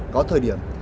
có thời điểm